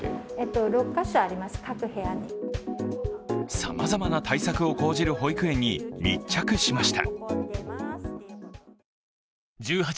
さまざまな対策を講じる保育園に密着しました。